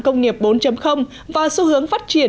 công nghiệp bốn và xu hướng phát triển